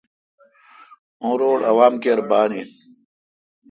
او روڑ عوام کیر بان این۔